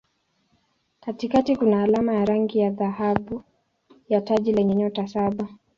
Katikati kuna alama ya rangi dhahabu ya taji lenye nyota saba.